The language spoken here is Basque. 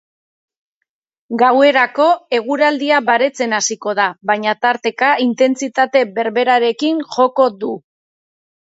Gauerako, eguraldia baretzen hasiko da, baina tarteka intentsitate berberarekin joko du.